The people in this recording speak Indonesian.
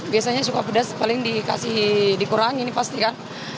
biasanya suka pedas paling dikasih dikurangin pasti kan